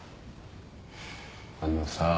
あのさ。